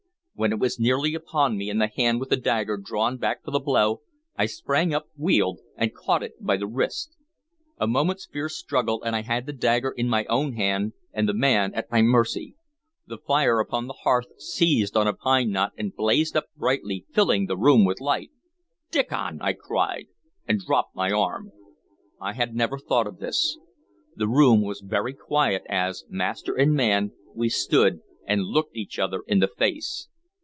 When it was nearly upon me, and the hand with the dagger drawn back for the blow, I sprang up, wheeled, and caught it by the wrist. A moment's fierce struggle, and I had the dagger in my own hand and the man at my mercy. The fire upon the hearth seized on a pine knot and blazed up brightly, filling the room with light. "Diccon!" I cried, and dropped my arm. I had never thought of this. The room was very quiet as, master and man, we stood and looked each other in the face.